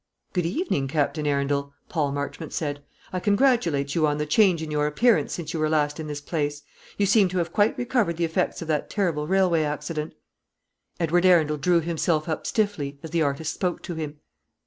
"Good evening, Captain Arundel," Paul Marchmont said. "I congratulate you on the change in your appearance since you were last in this place. You seem to have quite recovered the effects of that terrible railway accident." Edward Arundel drew himself up stiffly as the artist spoke to him.